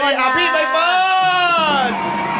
สวัสดีค่ะพี่ใบเฟิร์น